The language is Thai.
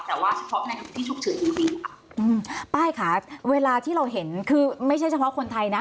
แต่ว่าเฉพาะในที่ฉุกเฉินจริงดีค่ะอืมป้ายค่ะเวลาที่เราเห็นคือไม่ใช่เฉพาะคนไทยนะ